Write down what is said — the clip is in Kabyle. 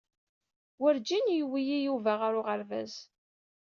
Werjin yuwiy Yuba ɣer uɣerbaz.